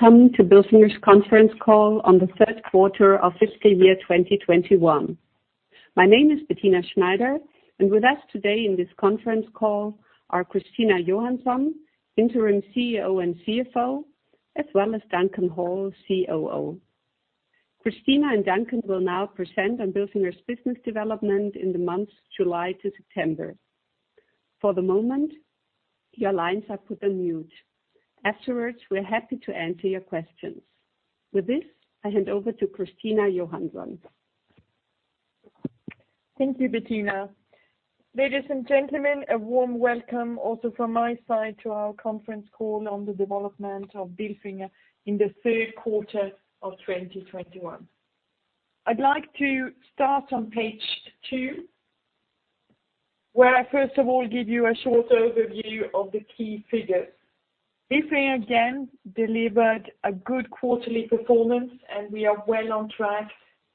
Welcome to Bilfinger's Conference Call on the Q3 of fiscal year 2021. My name is Bettina Schneider, and with us today in this Conference Call are Christina Johansson, Interim CEO and CFO, as well as Duncan Hall, COO. Christina and Duncan will now present on Bilfinger's business development in the months July to September. For the moment, your lines are put on mute. Afterwards, we're happy to answer your questions. With this, I hand over to Christina Johansson. Thank you, Bettina. Ladies and gentlemen, a warm welcome also from my side to our conference call on the development of Bilfinger in the Q3 of 2021. I'd like to start on page two, where I first of all give you a short overview of the key figures. Bilfinger again delivered a good quarterly performance, and we are well on track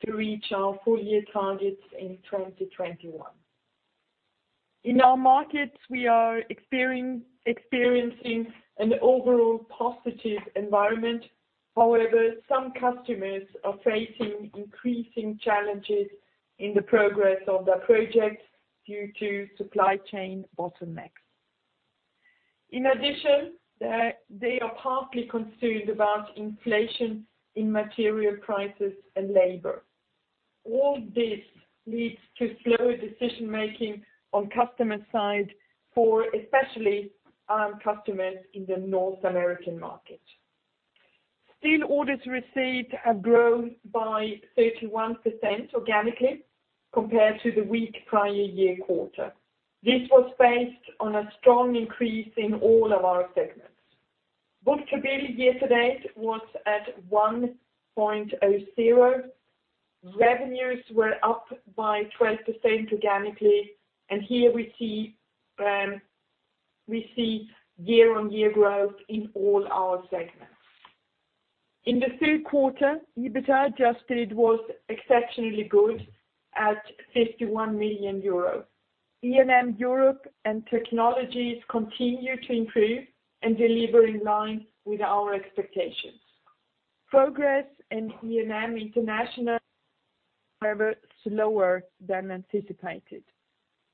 to reach our full year targets in 2021. In our markets, we are experiencing an overall positive environment. However, some customers are facing increasing challenges in the progress of their projects due to supply chain bottlenecks. In addition, they are partly concerned about inflation in material prices and labor. All this leads to slower decision-making on customer side for especially our customers in the North American market. Still, orders received have grown by 31% organically compared to the weak prior year quarter. This was based on a strong increase in all of our segments. Book-to-bill year-to-date was at 1.00. Revenues were up by 12% organically, and here we see year-on-year growth in all our segments. In the Q3, EBITA adjusted was exceptionally good at 51 million euros. E&M Europe and Technologies continue to improve and deliver in line with our expectations. Progress in E&M International, however, slower than anticipated.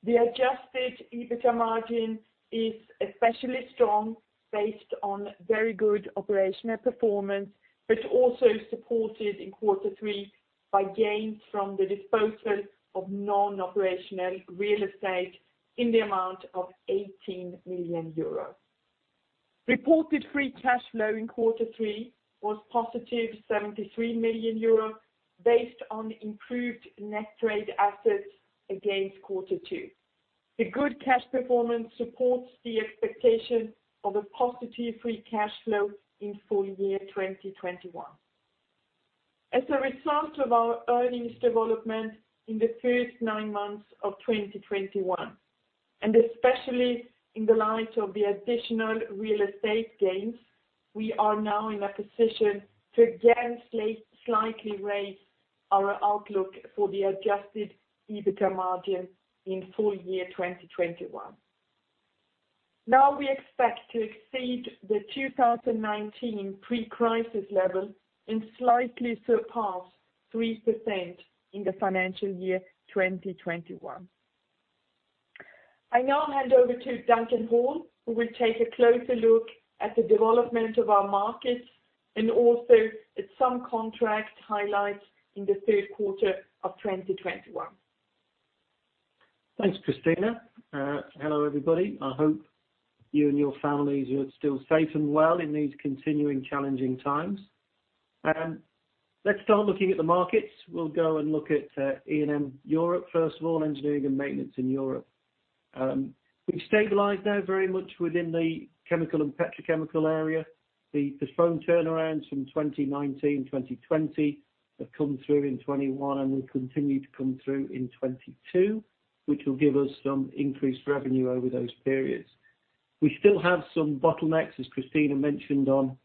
The adjusted EBITA margin is especially strong based on very good operational performance, but also supported in Q3 by gains from the disposal of non-operational real estate in the amount of 18 million euros. Reported free cash flow in Q3 was positive 73 million euros based on improved net trade assets against Q2. The good cash performance supports the expectation of a positive free cash flow in full year 2021. As a result of our earnings development in the first nine months of 2021, and especially in the light of the additional real estate gains, we are now in a position to again slightly raise our outlook for the adjusted EBITA margin in full year 2021. Now we expect to exceed the 2019 pre-crisis level and slightly surpass 3% in the financial year 2021. I now hand over to Duncan Hall, who will take a closer look at the development of our markets and also at some contract highlights in the Q3 of 2021. Thanks, Christina. Hello, everybody. I hope you and your families are still safe and well in these continuing challenging times. Let's start looking at the markets. We'll go and look at E&M Europe, first of all, Engineering & Maintenance Europe. We stabilize now very much within the chemical and petrochemical area. The postponed turnarounds from 2019, 2020 have come through in 2021 and will continue to come through in 2022, which will give us some increased revenue over those periods. We still have some bottlenecks, as Christina mentioned, on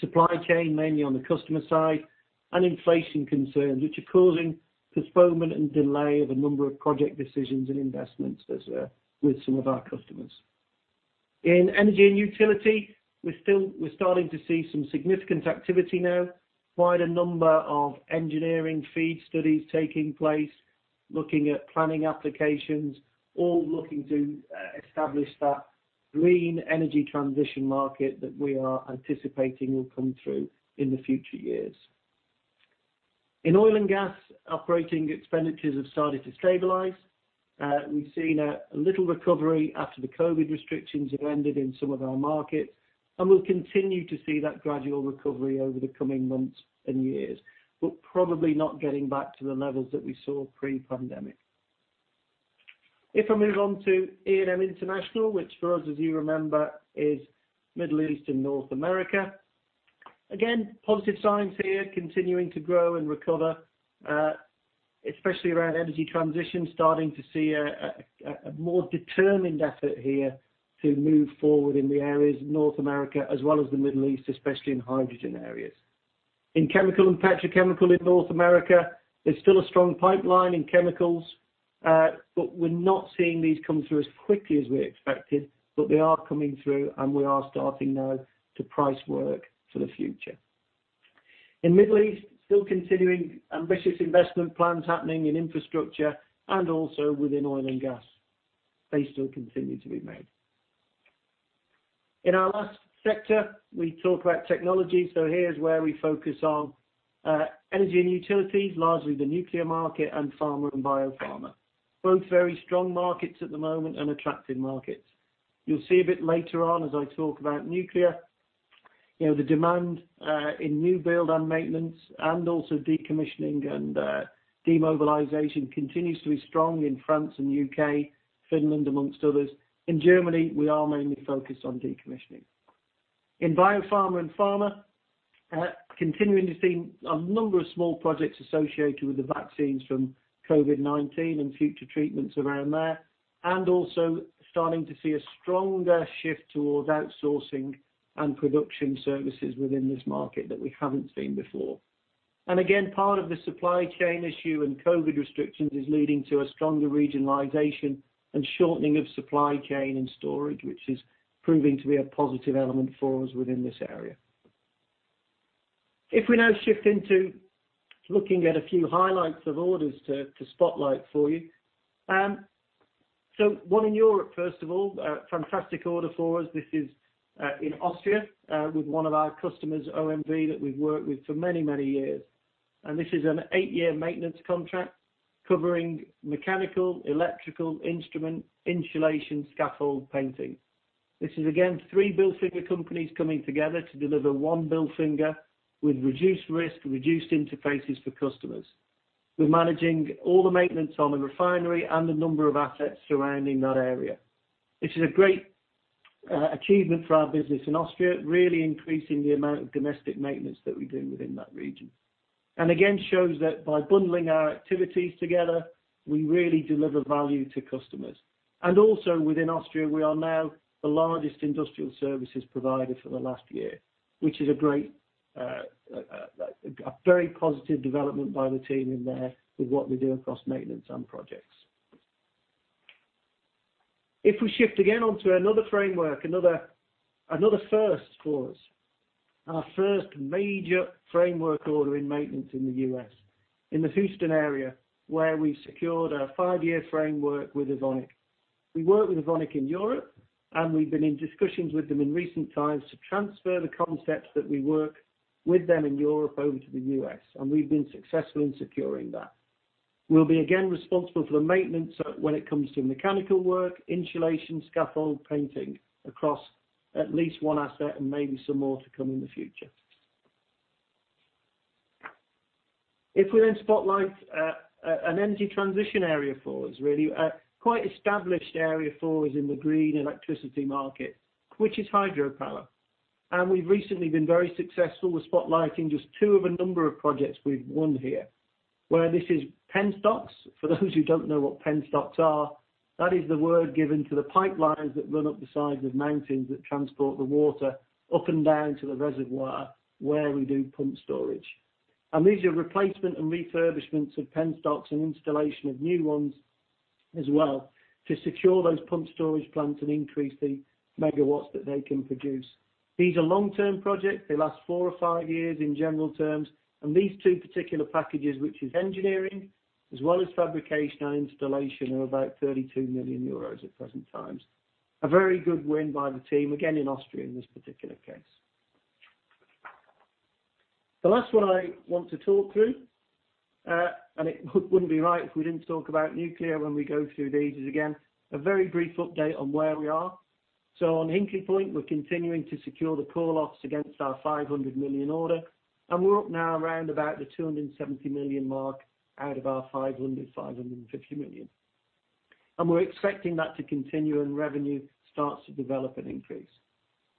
supply chain, mainly on the customer side, and inflation concerns, which are causing postponement and delay of a number of project decisions and investments as with some of our customers. In energy and utility, we're starting to see some significant activity now. Quite a number of engineering feed studies taking place, looking at planning applications, all looking to establish that green energy transition market that we are anticipating will come through in the future years. In oil and gas, operating expenditures have started to stabilize. We've seen a little recovery after the COVID restrictions have ended in some of our markets, and we'll continue to see that gradual recovery over the coming months and years, but probably not getting back to the levels that we saw pre-pandemic. If I move on to E&M International, which for us, as you remember, is Middle East and North America. Again, positive signs here continuing to grow and recover, especially around energy transition, starting to see a more determined effort here to move forward in the areas of North America as well as the Middle East, especially in hydrogen areas. In chemical and petrochemical in North America, there's still a strong pipeline in chemicals, but we're not seeing these come through as quickly as we expected, but they are coming through, and we are starting now to price work for the future. In Middle East, still continuing ambitious investment plans happening in infrastructure and also within oil and gas. They still continue to be made. In our last sector, we talk about technology. Here's where we focus on energy and utilities, largely the nuclear market and pharma and biopharma. Both very strong markets at the moment and attractive markets. You'll see a bit later on as I talk about nuclear, you know, the demand in new build and maintenance and also decommissioning and demobilization continues to be strong in France and U.K., Finland, among others. In Germany, we are mainly focused on decommissioning. In biopharma and pharma, continuing to see a number of small projects associated with the vaccines from COVID-19 and future treatments around there, and also starting to see a stronger shift towards outsourcing and production services within this market that we haven't seen before. Again, part of the supply chain issue and COVID restrictions is leading to a stronger regionalization and shortening of supply chain and storage, which is proving to be a positive element for us within this area. If we now shift into looking at a few highlights of orders to spotlight for you. One in Europe, first of all, a fantastic order for us. This is in Austria with one of our customers, OMV, that we've worked with for many, many years. This is an eight-year maintenance contract covering mechanical, electrical, instrument, insulation, scaffold, painting. This is, again, three Bilfinger companies coming together to deliver one Bilfinger with reduced risk, reduced interfaces for customers. We're managing all the maintenance on the refinery and the number of assets surrounding that area. This is a great achievement for our business in Austria, really increasing the amount of domestic maintenance that we do within that region. Again, shows that by bundling our activities together, we really deliver value to customers. Also within Austria, we are now the largest industrial services provider for the last year, which is a great, a very positive development by the team in there with what we do across maintenance and projects. If we shift again onto another framework, another first for us, our first major framework order in maintenance in the U.S., in the Houston area, where we secured a five-year framework with Evonik. We work with Evonik in Europe, and we've been in discussions with them in recent times to transfer the concepts that we work with them in Europe over to the U.S., and we've been successful in securing that. We'll be again responsible for the maintenance when it comes to mechanical work, insulation, scaffold, painting across at least one asset and maybe some more to come in the future. If we then spotlight an energy transition area for us, really, a quite established area for us in the green electricity market, which is hydropower. We've recently been very successful with spotlighting just two of a number of projects we've won here, where this is penstocks. For those who don't know what penstocks are, that is the word given to the pipelines that run up the sides of mountains that transport the water up and down to the reservoir where we do pumped storage. These are replacement and refurbishments of penstocks and installation of new ones as well to secure those pumped storage plants and increase the megawatts that they can produce. These are long-term projects. They last four or five years in general terms. These two particular packages, which is engineering as well as fabrication and installation, are about 32 million euros at present times. A very good win by the team, again, in Austria in this particular case. The last one I want to talk through, and it wouldn't be right if we didn't talk about nuclear when we go through these is, again, a very brief update on where we are. On Hinkley Point, we're continuing to secure the call-offs against our 500 million order, and we're up now around about the 270 million mark out of our 500 million to 550 million. We're expecting that to continue, and revenue starts to develop and increase.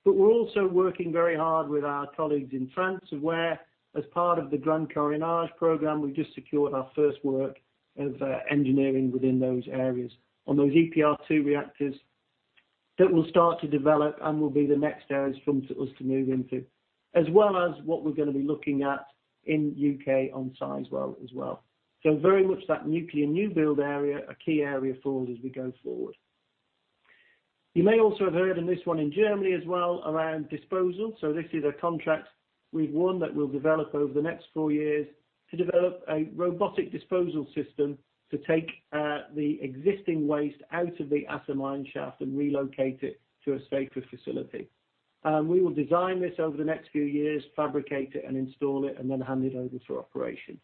We're also working very hard with our colleagues in France, where as part of the Grand Carénage program, we just secured our first work of engineering within those areas on those EPR2 reactors that will start to develop and will be the next areas for us to move into, as well as what we're gonna be looking at in U.K. on Sizewell as well. Very much that nuclear new build area, a key area for us as we go forward. You may also have heard on this one in Germany as well around disposal. This is a contract we've won that we'll develop over the next four years to develop a robotic disposal system to take the existing waste out of the Asse mine shaft and relocate it to a safer facility. We will design this over the next few years, fabricate it, and install it, and then hand it over for operation.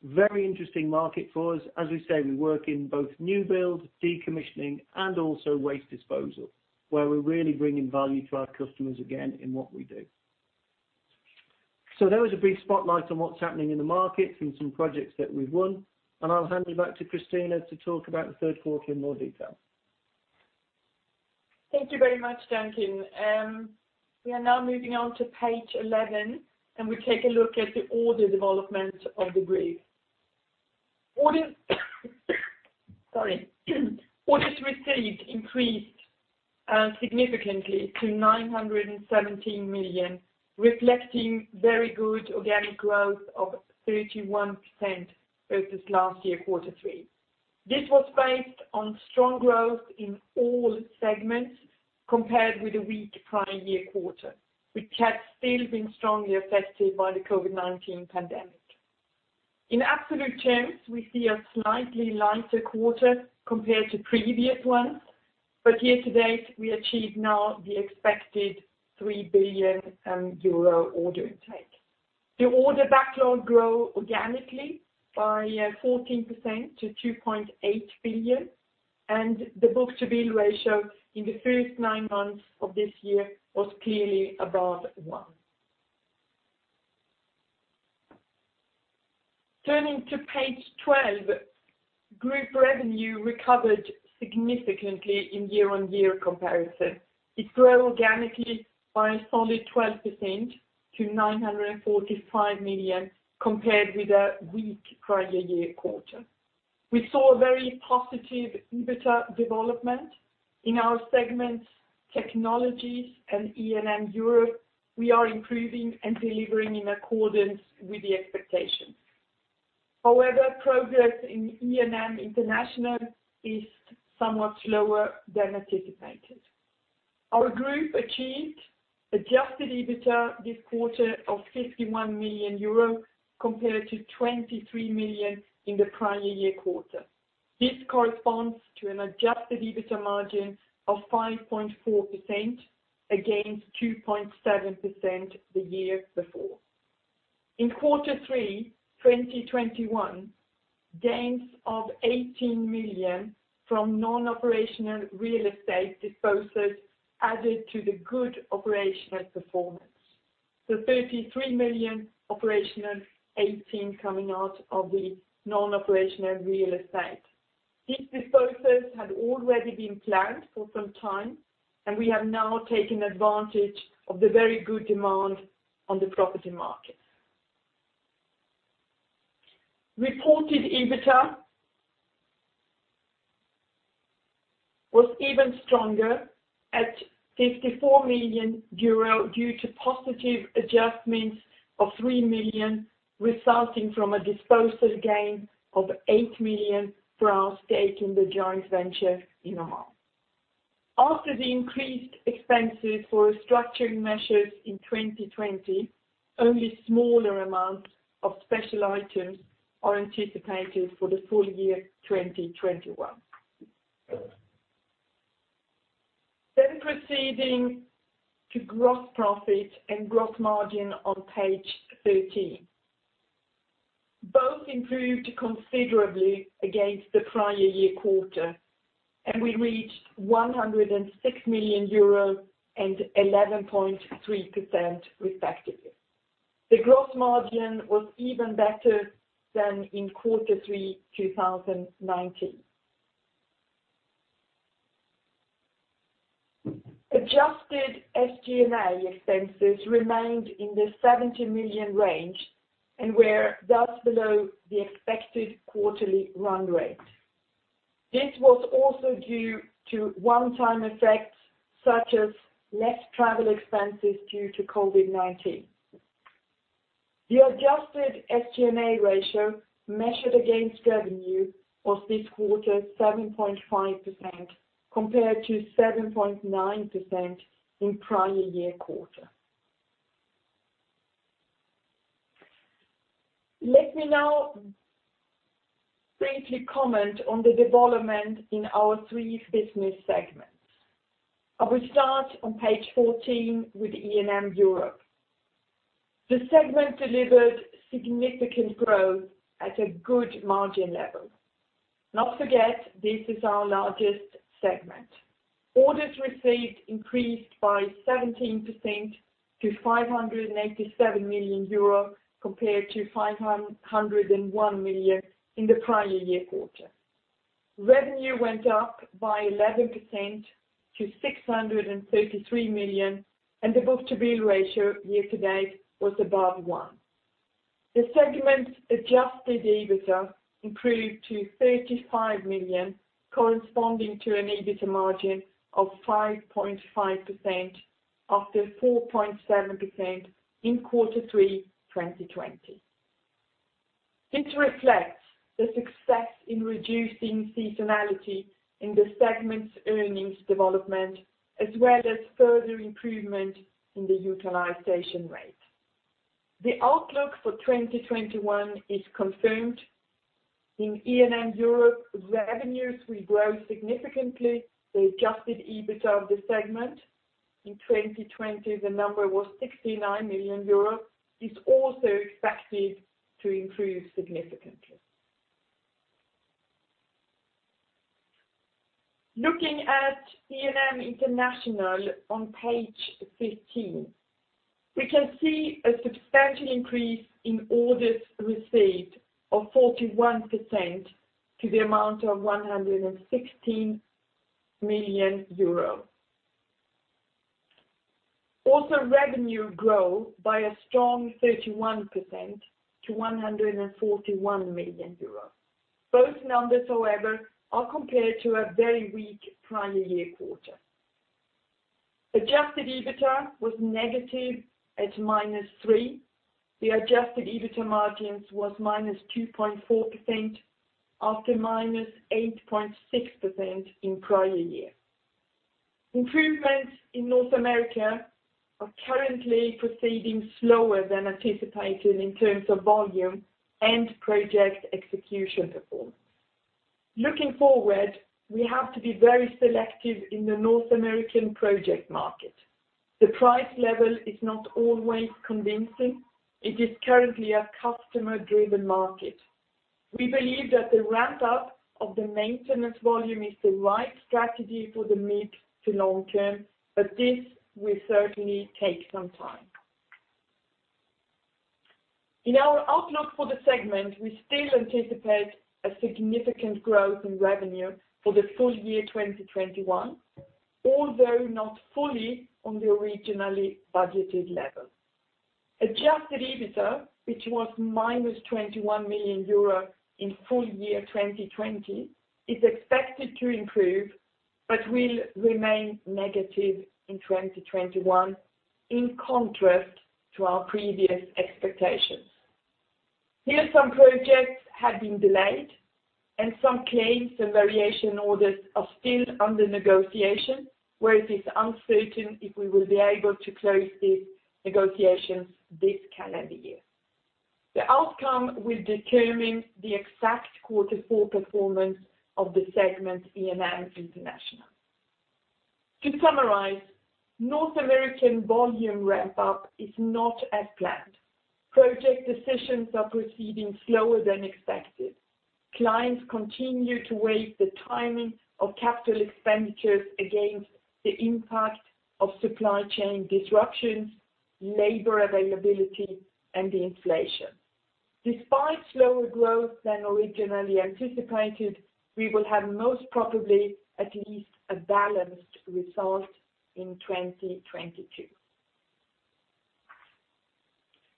Very interesting market for us. As we say, we work in both new build, decommissioning, and also waste disposal, where we're really bringing value to our customers again in what we do. There was a brief spotlight on what's happening in the markets and some projects that we've won, and I'll hand you back to Christina to talk about the Q3 in more detail. Thank you very much, Duncan. We are now moving on to page 11, and we take a look at the order development of the group. Orders received increased significantly to 917 million, reflecting very good organic growth of 31% versus last year, Q3. This was based on strong growth in all segments compared with the weak prior year quarter, which had still been strongly affected by the COVID-19 pandemic. In absolute terms, we see a slightly lighter quarter compared to previous ones, but year-to-date, we achieved now the expected 3 billion euro order intake. The order backlog grew organically by 14% to 2.8 billion, and the book-to-bill ratio in the first nine months of this year was clearly above one. Turning to page 12, group revenue recovered significantly in year-on-year comparison. It grew organically by a solid 12% to 945 million compared with a weak prior year quarter. We saw a very positive EBITA development. In our segments, Technologies and E&M Europe, we are improving and delivering in accordance with the expectations. However, progress in E&M International is somewhat slower than anticipated. Our group achieved adjusted EBITA this quarter of 51 million euro compared to 23 million in the prior year quarter. This corresponds to an adjusted EBITA margin of 5.4% against 2.7% the year before. In Q3, 2021, gains of 18 million from non-operational real estate disposals added to the good operational performance. The 33 million operational, 18 million coming out of the non-operational real estate. These disposals had already been planned for some time, and we have now taken advantage of the very good demand on the property market. Reported EBITDA was even stronger at 54 million euro due to positive adjustments of 3 million, resulting from a disposal gain of 8 million for our stake in the joint venture in Oman. After the increased expenses for restructuring measures in 2020, only smaller amounts of special items are anticipated for the full year 2021. Proceeding to gross profit and gross margin on page 13. Both improved considerably against the prior year quarter, and we reached 106 million euros and 11.3% respectively. The gross margin was even better than in Q3, 2019. Adjusted SG&A expenses remained in the 70 million range and were thus below the expected quarterly run rate. This was also due to one-time effects, such as less travel expenses due to COVID-19. The adjusted SG&A ratio measured against revenue was this quarter 7.5% compared to 7.9% in prior-year quarter. Let me now briefly comment on the development in our three business segments. I will start on page 14 with E&M Europe. The segment delivered significant growth at a good margin level. Don't forget, this is our largest segment. Orders received increased by 17% to 587 million euro compared to 501 million in the prior-year quarter. Revenue went up by 11% to 633 million, and the book-to-bill ratio year-to-date was above 1%. The segment's adjusted EBITA improved to 35 million, corresponding to an EBITA margin of 5.5% after 4.7% in Q3 2020. This reflects the success in reducing seasonality in the segment's earnings development, as well as further improvement in the utilization rate. The outlook for 2021 is confirmed. In E&M Europe, revenues will grow significantly. The adjusted EBITA of the segment in 2020, the number was 69 million euros, is also expected to improve significantly. Looking at E&M International on page 15, we can see a substantial increase in orders received of 41% to the amount of 116 million euros. Revenue grew by a strong 31% to 141 million euros. Both numbers, however, are compared to a very weak prior year quarter. Adjusted EBITA was negative at -3 million. The adjusted EBITA margin was -2.4% after -8.6% in prior year. Improvements in North America are currently proceeding slower than anticipated in terms of volume and project execution performance. Looking forward, we have to be very selective in the North American project market. The price level is not always convincing. It is currently a customer-driven market. We believe that the ramp up of the maintenance volume is the right strategy for the mid to long term, but this will certainly take some time. In our outlook for the segment, we still anticipate a significant growth in revenue for the full year 2021, although not fully on the originally budgeted level. Adjusted EBITA, which was -21 million euro in full year 2020, is expected to improve, but will remain negative in 2021, in contrast to our previous expectations. Here, some projects have been delayed and some claims and variation orders are still under negotiation, where it is uncertain if we will be able to close these negotiations this calendar year. The outcome will determine the exact Q4 performance of the segment E&M International. To summarize, North American volume ramp up is not as planned. Project decisions are proceeding slower than expected. Clients continue to weigh the timing of capital expenditures against the impact of supply chain disruptions, labor availability, and inflation. Despite slower growth than originally anticipated, we will have most probably at least a balanced result in 2022.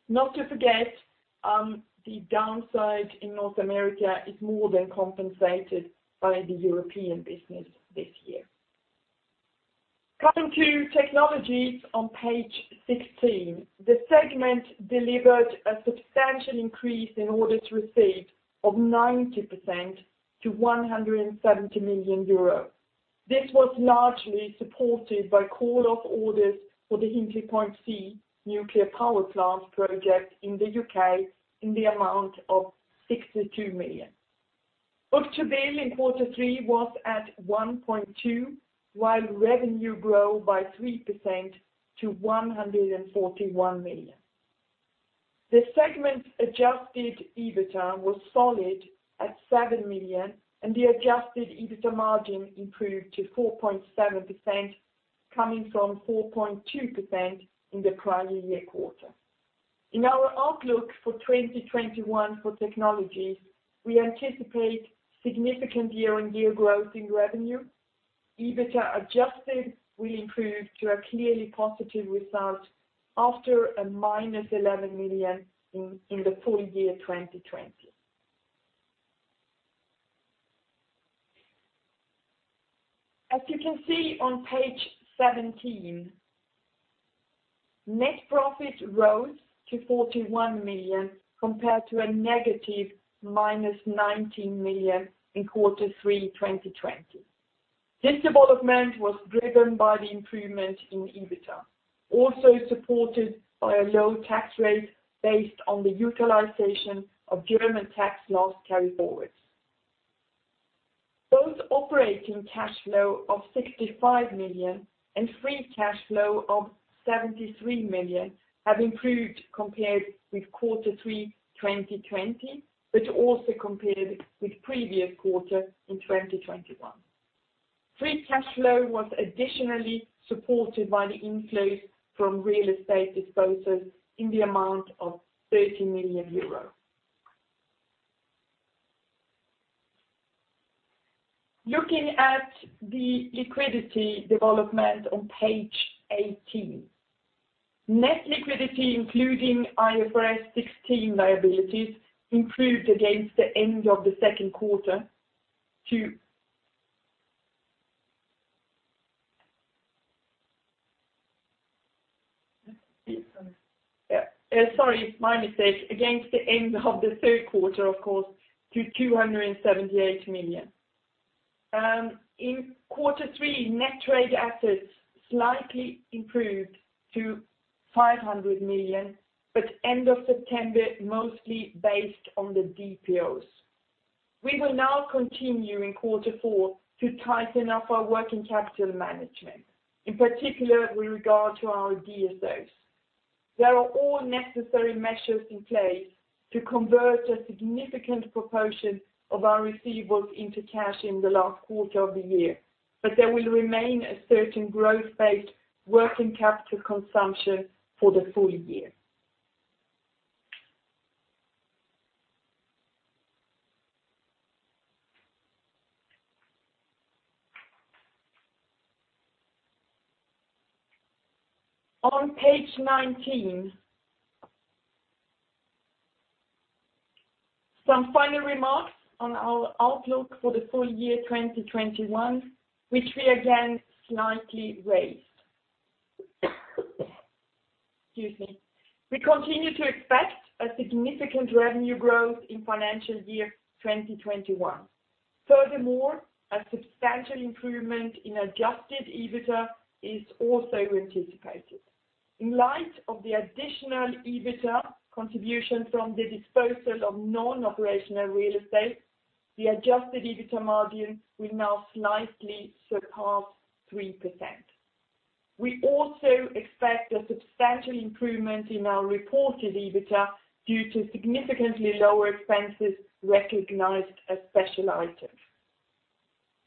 Not to forget, the downside in North America is more than compensated by the European business this year. Coming to Technologies on page 16. The segment delivered a substantial increase in orders received of 90% to 170 million euros. This was largely supported by call-off orders for the Hinkley Point C nuclear power plant project in the U.K. in the amount of 62 million. Book-to-bill in Q3 was at 1.2%, while revenue grow by 3% to 141 million. The segment's adjusted EBITA was solid at 7 million, and the adjusted EBITA margin improved to 4.7%, coming from 4.2% in the prior year quarter. In our outlook for 2021 for Technologies, we anticipate significant year-on-year growth in revenue. EBITA adjusted will improve to a clearly positive result after a -11 million in the full year 2020. As you can see on page 17, net profit rose to 41 million compared to a negative -19 million in Q3, 2020. This development was driven by the improvement in EBITA, also supported by a low tax rate based on the utilization of German tax loss carryforwards. Both operating cash flow of 65 million and free cash flow of 73 million have improved compared with Q3, 2020, but also compared with previous quarter in 2021. Free cash flow was additionally supported by the inflows from real estate disposals in the amount of 30 million euros. Looking at the liquidity development on page 18. Net liquidity, including IFRS 16 liabilities, improved against the end of the Q2, of course, to 278 million. In Q3, net trade assets slightly improved to 500 million, but end of September, mostly based on the DPOs. We will now continue in Q4 to tighten up our working capital management, in particular with regard to our DSOs. There are all necessary measures in place to convert a significant proportion of our receivables into cash in the last quarter of the year, but there will remain a certain growth-based working capital consumption for the full year. On page 19, some final remarks on our outlook for the full year 2021, which we again slightly raised. Excuse me. We continue to expect a significant revenue growth in financial year 2021. Furthermore, a substantial improvement in adjusted EBITA is also anticipated. In light of the additional EBITA contribution from the disposal of non-operational real estate, the adjusted EBITA margin will now slightly surpass 3%. We also expect a substantial improvement in our reported EBITA due to significantly lower expenses recognized as special items.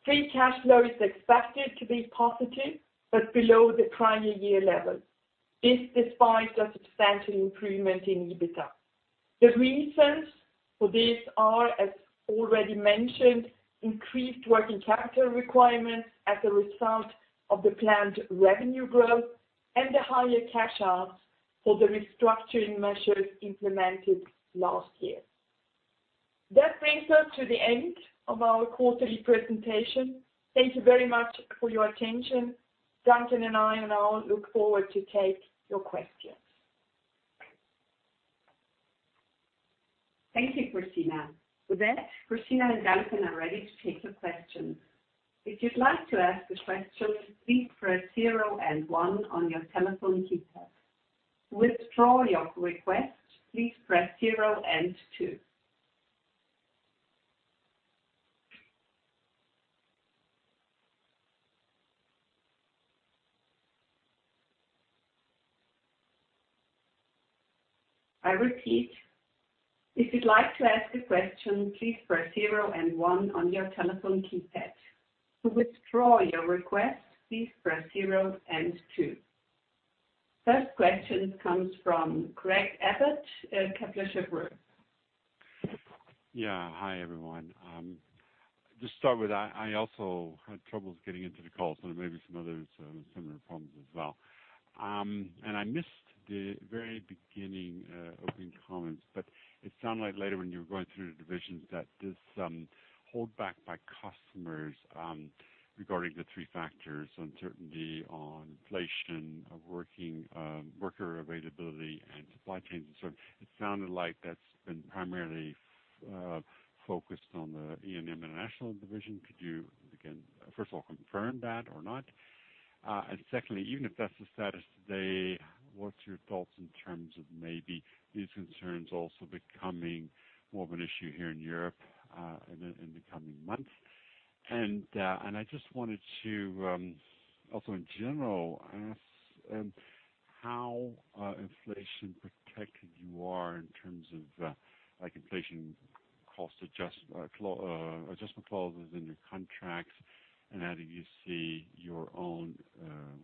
Free cash flow is expected to be positive, but below the prior year level, this despite a substantial improvement in EBITA. The reasons for this are, as already mentioned, increased working capital requirements as a result of the planned revenue growth and the higher cash outs for the restructuring measures implemented last year. That brings us to the end of our quarterly presentation. Thank you very much for your attention. Duncan and I now look forward to take your questions. Thank you, Christina. With that, Christina and Duncan are ready to take your questions. If you'd like to ask a question, please press zero and one on your telephone keypad. To withdraw your request, please press zero and two. I repeat, if you'd like to ask a question, please press zero and one on your telephone keypad. To withdraw your request, please press zero and two. First question comes from Craig Abbott at Kepler Cheuvreux. Yeah. Hi, everyone. Just start with I also had troubles getting into the call, so there may be some others similar problems as well. I missed the very beginning opening comments, but it sounded like later when you were going through the divisions that this hold back by customers regarding the three factors, uncertainty on inflation, worker availability, and supply chain concern. It sounded like that's been primarily focused on the E&M International Division. Could you, again, first of all, confirm that or not? Secondly, even if that's the status today, what's your thoughts in terms of maybe these concerns also becoming more of an issue here in Europe in the coming months? I just wanted to also in general ask how inflation protected you are in terms of like inflation cost adjustment clauses in your contracts, and how do you see your own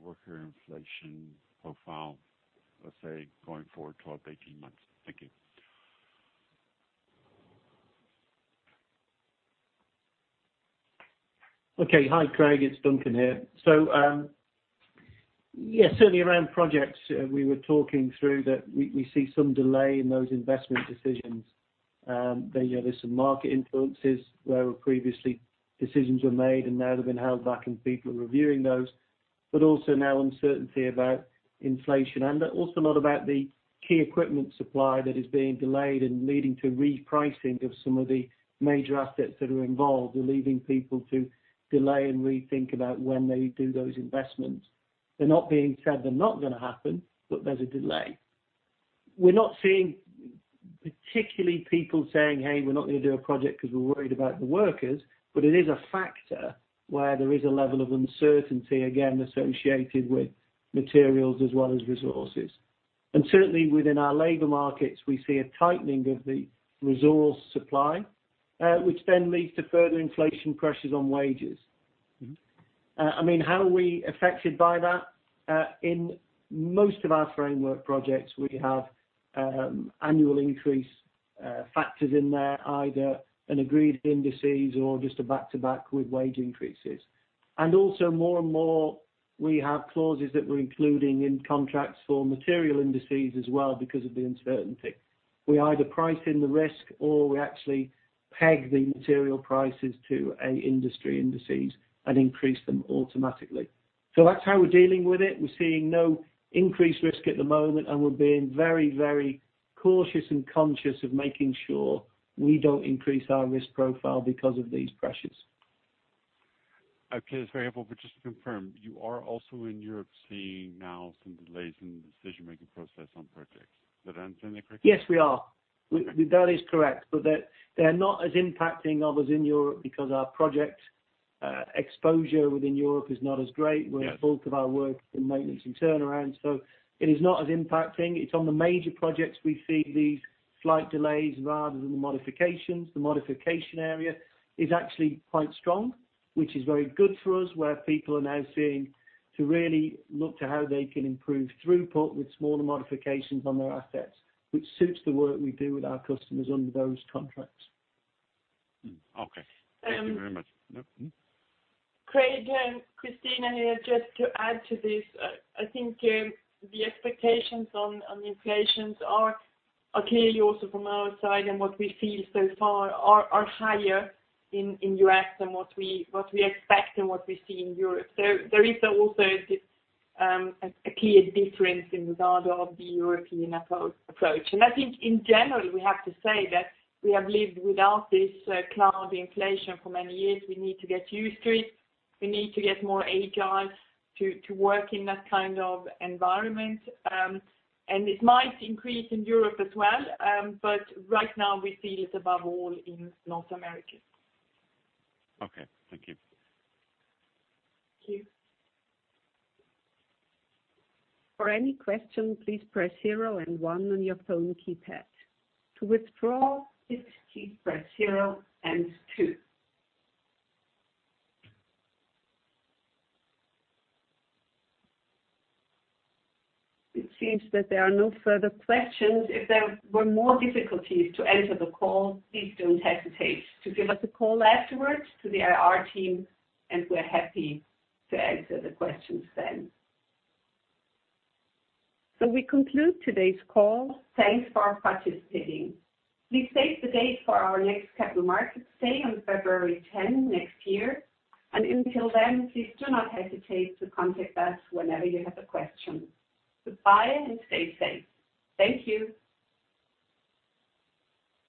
worker inflation profile, let's say, going forward 12 to 18 months? Thank you. Okay. Hi, Craig. It's Duncan here. Certainly around projects, we were talking through that we see some delay in those investment decisions. There, you know, there's some market influences where previously decisions were made and now they've been held back, and people are reviewing those, but also now uncertainty about inflation and also a lot about the key equipment supply that is being delayed and leading to repricing of some of the major assets that are involved, are leaving people to delay and rethink about when they do those investments. They're not being said they're not gonna happen, but there's a delay. We're not seeing particularly people saying, "Hey, we're not gonna do a project because we're worried about the workers." But it is a factor where there is a level of uncertainty, again, associated with materials as well as resources. Certainly within our labor markets, we see a tightening of the resource supply, which then leads to further inflation pressures on wages. Mm-hmm. I mean, how are we affected by that? In most of our framework projects, we have annual increase factors in there, either an agreed index or just a back-to-back with wage increases. Also more and more we have clauses that we're including in contracts for material indices as well because of the uncertainty. We either price in the risk, or we actually peg the material prices to an industry index and increase them automatically. That's how we're dealing with it. We're seeing no increased risk at the moment, and we're being very, very cautious and conscious of making sure we don't increase our risk profile because of these pressures. Okay. That's very helpful. Just to confirm, you are also in Europe seeing now some delays in the decision-making process on projects. Did I understand that correctly? Yes, we are. That is correct. They're not as impacting others in Europe because our project exposure within Europe is not as great. Yeah. Where the bulk of our work is in maintenance and turnaround, so it is not as impacting. It's on the major projects we see these slight delays rather than the modifications. The modification area is actually quite strong, which is very good for us, where people are now seeking to really look to how they can improve throughput with smaller modifications on their assets, which suits the work we do with our customers under those contracts. Okay. Um Thank you very much. Mm-hmm. Craig, Christina here. Just to add to this, I think the expectations on inflation are clearly also from our side, and what we see so far are higher in U.S. than what we expect and what we see in Europe. There is also a clear difference in regard of the European approach. I think in general, we have to say that we have lived without this low inflation for many years. We need to get used to it. We need to get more agile to work in that kind of environment. It might increase in Europe as well, but right now we see it above all in North America. Okay. Thank you. Thank you. It seems that there are no further questions. If there were more difficulties to enter the call, please don't hesitate to give us a call afterwards to the IR team, and we're happy to answer the questions then. We conclude today's call. Thanks for participating. Please save the date for our next Capital Markets Day on February 10th next year, and until then, please do not hesitate to contact us whenever you have a question. Goodbye and stay safe. Thank you.